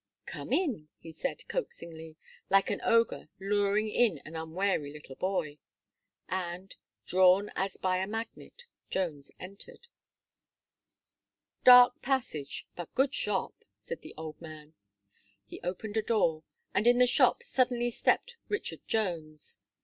"Come in," he said, coaxingly, like an ogre luring in an unwary little boy. And, drawn as by a magnet, Jones entered. "Dark passage, but good shop," said the old man. He opened a door, and in the shop suddenly stepped Richard Jones.